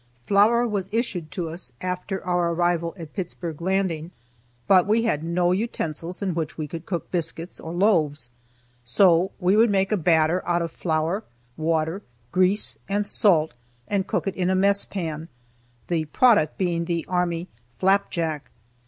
Flour was issued to us after our arrival at Pittsburg Landing, but we had no utensils in which we could cook biscuits, or loaves. So we would make a batter out of flour, water, grease, and salt, and cook it in a mess pan, the product being the army "flapjack."